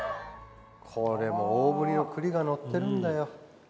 これも大ぶりの栗がのってるんだよ。